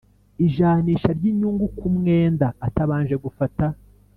ijanisha ry inyungu ku mwenda atabanje gufata